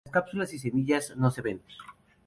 Las cápsulas y semillas no se ven.